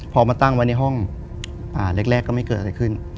พอมาตั้งไว้ในห้องแรกก็ไม่เกิดอะไรขึ้น